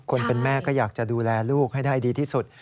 คนเป็นแม่ก็อยากจะดูแลลูกให้ได้ดีที่สุด